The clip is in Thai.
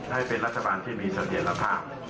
ให้เป็นรัฐบาลที่มีเสถียรภาพ